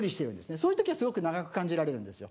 そういうときはすごく長く感じられるんですよ。